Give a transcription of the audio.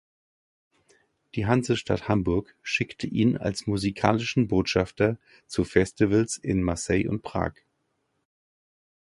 Die Hansestadt Hamburg schickte ihn als musikalischen Botschafter zu Festivals in Marseille und Prag.